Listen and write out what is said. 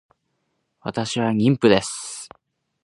私は妊婦です